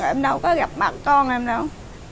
em đâu có gặp mặt con em đâu